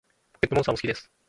ポケットモンスターも好きです